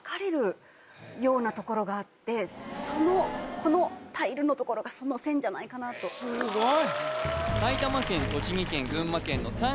このタイルのところがその線じゃないかなとすごい！